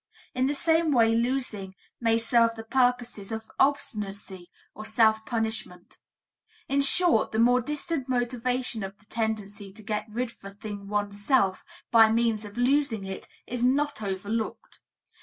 In the same way losing may serve the purposes of obstinacy or self punishment. In short, the more distant motivation of the tendency to get rid of a thing oneself by means of losing it is not overlooked.